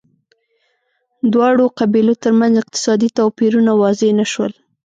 دواړو قبیلو ترمنځ اقتصادي توپیرونه واضح نه شول